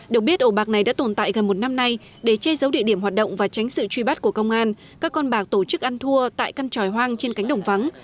được biết ổ bạc này đã tồn tại gần một năm nay để che giấu địa điểm hoạt động và tránh sự truy bắt của công an các con bạc tổ chức ăn thua tại căn tròi hoang trên cánh đồng vắng